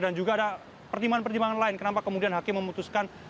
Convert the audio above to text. dan juga ada pertimbangan pertimbangan lain kenapa kemudian hakim memutuskan